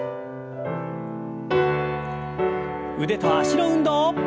腕と脚の運動。